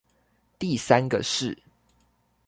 第三個是